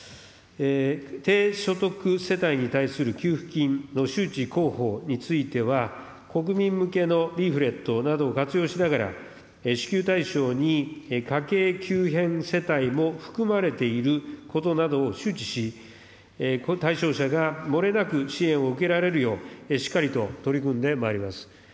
低所得世帯に対する給付金の周知広報については、国民向けのリーフレットなどを活用しながら、支給対象に家計急変世帯も含まれていることなどを周知し、対象者がもれなく支援を受けられるよう、しっかりと取り組んでまいります。